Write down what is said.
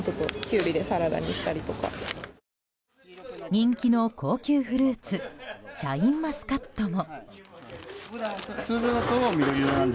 人気の高級フルーツシャインマスカットも。